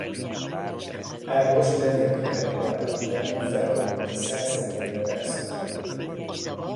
Ágost lengyel király halála után felbomlott a szász-lengyel perszonálunió.